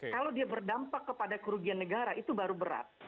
kalau dia berdampak kepada kerugian negara itu baru berat